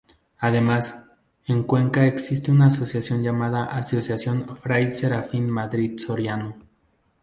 Además, en Cuenca existe una asociación llamada Asociación Fray Serafín Madrid Soriano.